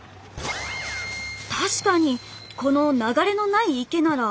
確かにこの流れのない池なら